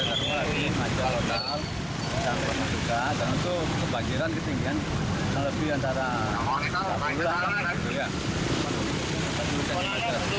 jalan indragiri sampai jalan bukit mas